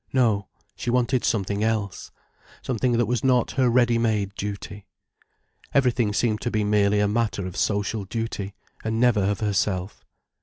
No, she wanted something else: something that was not her ready made duty. Everything seemed to be merely a matter of social duty, and never of her self.